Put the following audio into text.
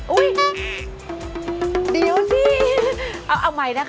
อุ้ยเดี๋ยวสิ